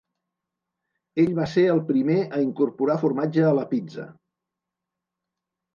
Ell va ser el primer a incorporar formatge a la pizza.